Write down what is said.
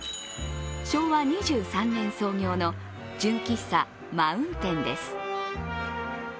昭和２３年創業の純喫茶マウンテンです。